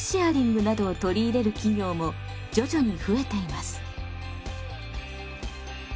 またなどを取り入れる企業も徐々に増えています。